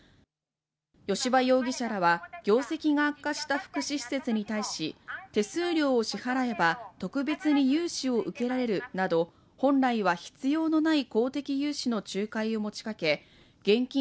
吉羽容疑者らは業績が悪化した福祉施設に対し、手数料を支払えば特別に融資を受けられるなど、本来は必要のない公的融資の仲介を持ちかけ現金